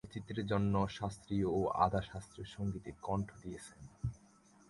তিনি চলচ্চিত্রের জন্যও শাস্ত্রীয় ও আধা শাস্ত্রীয় সঙ্গীতে কণ্ঠ দিয়েছেন।